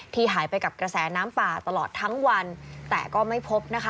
หายไปกับกระแสน้ำป่าตลอดทั้งวันแต่ก็ไม่พบนะคะ